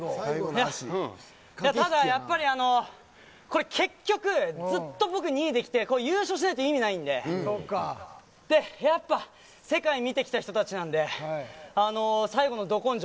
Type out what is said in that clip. ただやっぱり結局ずっと２位できて優勝しないと意味ないのでやっぱり世界見てきた人たちなので最後のど根性